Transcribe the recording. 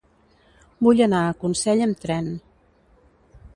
Vull anar a Consell amb tren.